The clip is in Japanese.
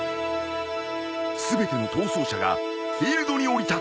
全ての逃走者がフィールドに降り立った。